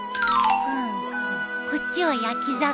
こっちは焼き魚。